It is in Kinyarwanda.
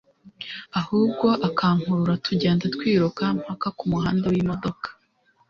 ahubwo akankurura tugenda twiruka mpaka kumuhanda wimodoka